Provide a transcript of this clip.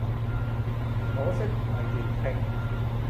可惜唔係粵拼